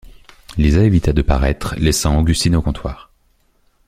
Lisa évita de paraître, laissant Augustine au comptoir.